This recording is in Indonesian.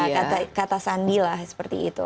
kata sandi lah seperti itu